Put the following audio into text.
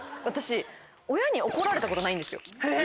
私親に怒られたことないんですよ。